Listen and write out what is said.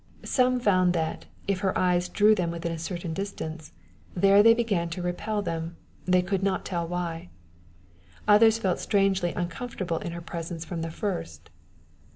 Some found that, if her eyes drew them within a certain distance, there they began to repel them, they could not tell why. Others felt strangely uncomfortable in her presence from the first.